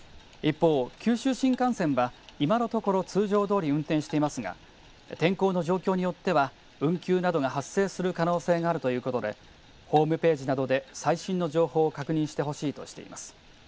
一方、九州新幹線は今のところ通常どおり運転していますが天候の状況によっては運休などが発生する可能性があるということでホームページなどで最新の情報を確認してほしいとしています。